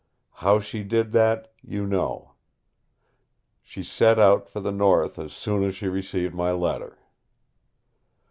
How she did that, you know. She set out for the North as soon as she received my letter."